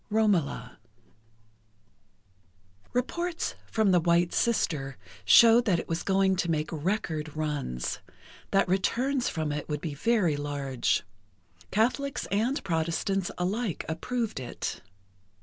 III "ROMOLA" Reports from "The White Sister" showed that it was going to make record runs—that returns from it would be very large. Catholics and Protestants alike approved it.